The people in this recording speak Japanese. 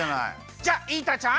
じゃあイータちゃん。